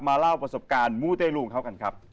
มาเล่าประสบการณ์มูเตรุเข้ากันครับ